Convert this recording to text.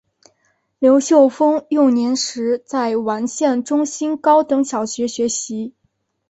刘秀峰幼年在完县中心高等小学学习。